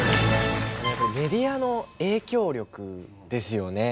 やっぱりメディアの影響力ですよね。